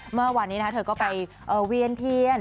เมื่อวานนี้เธอก็ไปเวียนเทียน